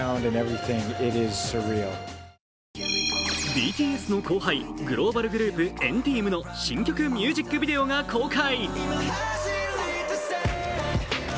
ＢＴＳの後輩、グローバルグループ＆ＴＥＡＭの新曲ミュージックビデオが公開。